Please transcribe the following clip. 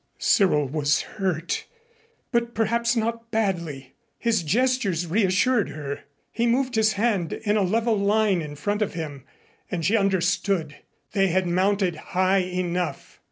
Cyril was hurt but perhaps not badly. His gestures reassured her. He moved his hand in a level line in front of him and she understood. They had mounted high enough.